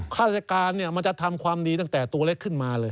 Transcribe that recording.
ข้าราชการมันจะทำความดีตั้งแต่ตัวเล็กขึ้นมาเลย